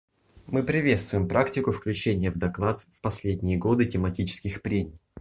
Мы приветствуем практику включения в доклад в последние годы тематических прений.